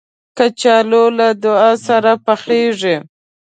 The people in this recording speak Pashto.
کچالو له دعا سره پخېږي